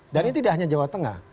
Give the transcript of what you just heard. dan ini tidak hanya jawa tengah